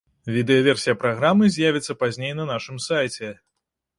Відэаверсія праграмы з'явіцца пазней на нашым сайце.